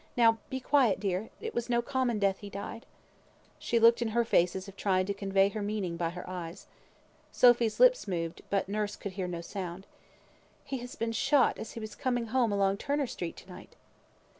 Now be quiet, dear! It was no common death he died!" She looked in her face as if trying to convey her meaning by her eyes. Sophy's lips moved, but nurse could hear no sound. "He has been shot as he was coming home along Turner Street, to night."